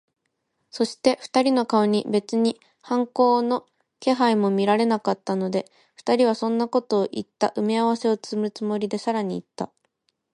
そして、二人の顔に別に反抗の気配も見られなかったので、二人にそんなことをいった埋合せをするつもりで、さらにいった。